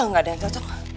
gak ada yang cocok